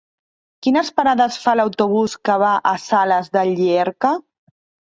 Quines parades fa l'autobús que va a Sales de Llierca?